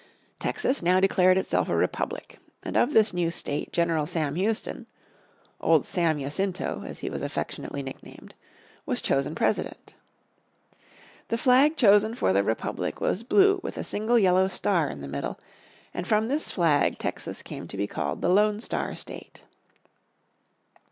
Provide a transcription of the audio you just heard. Texas now declared itself a republic, and of this new State General Sam Houston "Old Sam Jacinto," as he was affectionately nicknamed was chosen President. The flag chosen for the Republic was blue with a single yellow star in the middle, and from this flag Texas came to be called the Lone Star State.